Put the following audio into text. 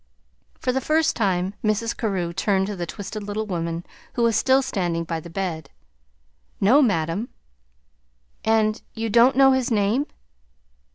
For the first time Mrs. Carew turned to the twisted little woman who was still standing by the bed. "No, madam." "And you don't know his name?"